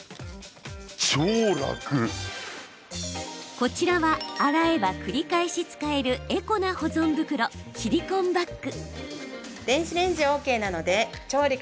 こちらは、洗えば繰り返し使えるエコな保存袋、シリコンバッグ。